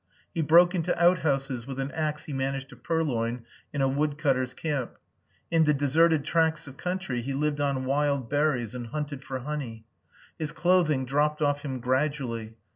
He broke into outhouses with an axe he managed to purloin in a wood cutters' camp. In the deserted tracts of country he lived on wild berries and hunted for honey. His clothing dropped off him gradually.